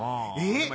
えっ？